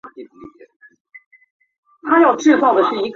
正德十一年五月卒。